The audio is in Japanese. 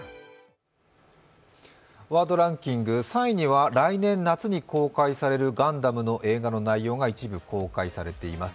ワードランキング３位には来年夏に公開されるガンダムの映画の内容が一部公開されています。